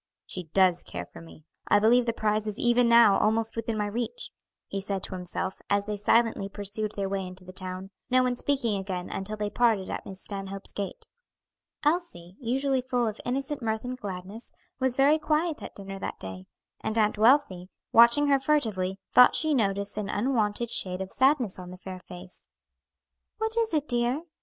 "She does care for me; I believe the prize is even now almost within my reach," he said to himself, as they silently pursued their way into the town, no one speaking again until they parted at Miss Stanhope's gate. Elsie, usually full of innocent mirth and gladness, was very quiet at dinner that day, and Aunt Wealthy, watching her furtively, thought she noticed an unwonted shade of sadness on the fair face. "What is it, dear?"